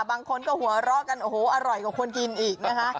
บางคนก็หัวเราะกันโอ้โหอร่อยกว่าคนกินอีกนะคะ